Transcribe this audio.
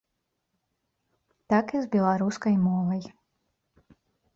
Так і з беларускай мовай.